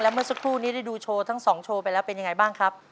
เมื่อสักครู่นี้ได้ดูโชว์ทั้งสองโชว์ไปแล้วเป็นยังไงบ้างครับ